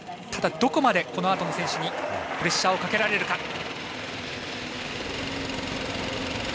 ただ、どこまでこのあとの選手にプレッシャーをかけられるか。